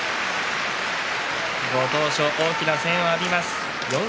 ご当所、大きな声援を浴びます。